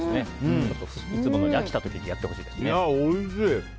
いつものに飽きた時にやってほしいですね。